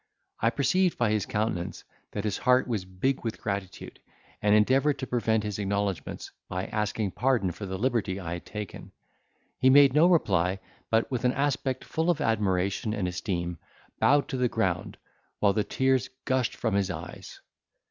I perceived by his countenance that his heart was big with gratitude, and endeavoured to prevent his acknowledgments, by asking pardon for the liberty I had taken; he made no reply, but, with an aspect full of admiration and esteem, bowed to the ground, while the tears gushed from his eyes.